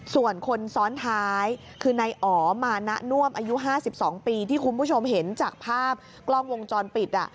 ส่วนคนซ้อนท้ายคือนายอ๋อมานะน่วมอายุ๕๒ปีที่คุณผู้ชมเห็นจากภาพกล้องวงจรปิด